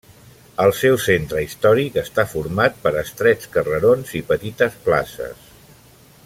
El seu centre històric està format per estrets carrerons i petites places.